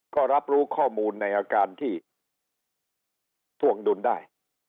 ก็รับรู้ข้อมูลในอาการที่ท่วงดุลได้